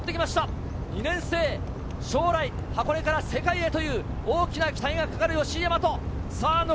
２年生、将来箱根から世界へという大きな期待がかかる吉居大和。